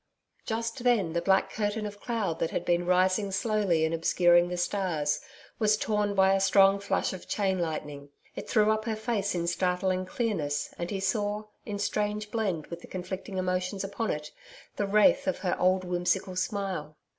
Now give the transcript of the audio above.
Just then the black curtain of cloud, that had been rising slowly and obscuring the stars, was torn by a strong flash of chain lightning. It threw up her face in startling clearness and he saw, in strange blend with the conflicting emotions upon it, the wraith of her old whimsical smile.